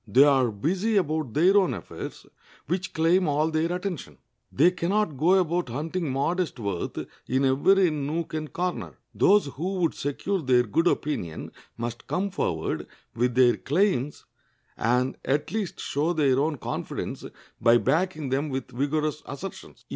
They are busy about their own affairs, which claim all their attention. They can not go about hunting modest worth in every nook and corner. Those who would secure their good opinion must come forward with their claims, and at least show their own confidence by backing them with vigorous assertions.